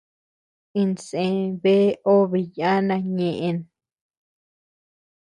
Insë bea obe yana ñeʼen.